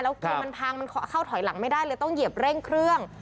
เกมมันพังมันเข้าถอยหลังไม่ได้เลยต้องเหยียบเร่งเครื่อง